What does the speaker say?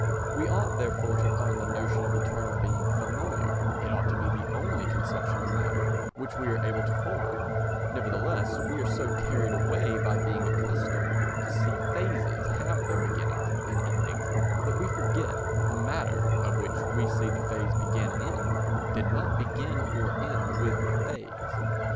We ought therefore to find the notion of eternal being familiar, it ought to be the only conception of matter which we are able to form: nevertheless, we are so carried away by being accustomed to see phases have their beginnings and endings that we forget that the matter, of which we see the phase begin and end, did not begin or end with the phase.